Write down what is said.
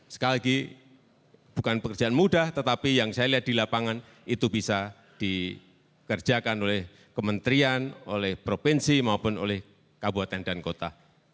sekali lagi bukan pekerjaan mudah tetapi yang saya lihat di lapangan itu bisa dikerjakan oleh kementerian oleh provinsi maupun oleh kabupaten dan kota